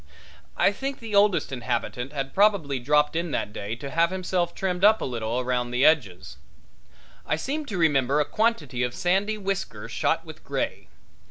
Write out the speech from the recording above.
I think the oldest inhabitant had probably dropped in that day to have himself trimmed up a little round the edges. I seem to remember a quantity of sandy whiskers shot with gray.